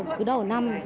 cứ đổ năm